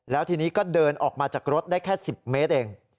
แล้วทีนี้ก็เดินออกมาจากรถได้แค่๑๐เมตรเอง